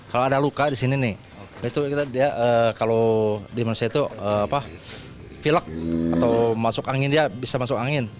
kalau ada luka di sini nih kalau di manusia itu apa vilek atau masuk angin dia bisa masuk angin